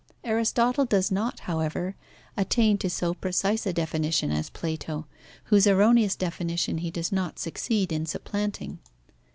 Aristotle does not, however, attain to so precise a definition as Plato, whose erroneous definition he does not succeed in supplanting.